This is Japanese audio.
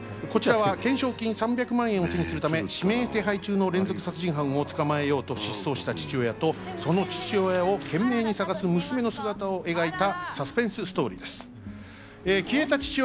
こちらは懸賞金３００万円を手にするため、指名手配中の連続殺人犯を捕まえようと失踪した父親とその父親を懸命に探す娘の姿を描いたサスペンスストーリーです。